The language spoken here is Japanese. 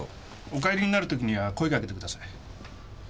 お帰りになるときには声をかけてください。